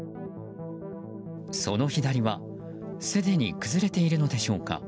その左はすでに崩れているのでしょうか。